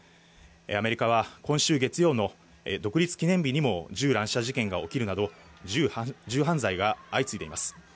アメリカは、今週月曜の独立記念日にも銃乱射事件が起きるなど、銃犯罪が相次いでいます。